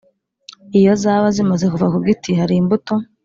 iyo zaba zimaze kuva ku giti Hari imbuto